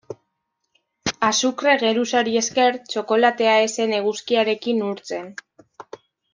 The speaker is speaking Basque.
Azukre geruzari esker, txokolatea ez zen eguzkiarekin urtzen.